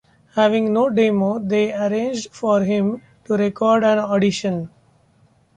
Having no demo, they arranged for him to record an audition.